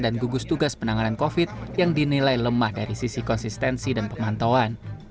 dan gugus tugas penanganan covid yang dinilai lemah dari sisi konsistensi dan pemantauan